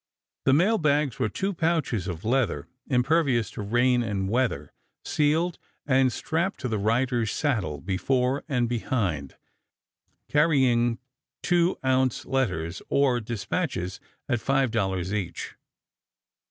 The mail bags were two pouches of leather, impervious to rain and weather, sealed, and strapped to the rider's saddle before and behind, carrying two ounce letters or dispatches at $5 each.